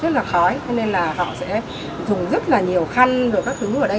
rất là khói cho nên là họ sẽ dùng rất là nhiều khăn rồi các thứ ở đây